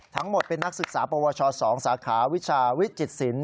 ทั้งหมดเป็นนักศึกษาปวช๒สาขาวิชาวิจิตศิลป